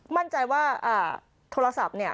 มั่นใจว่าโทรศัพท์เนี่ย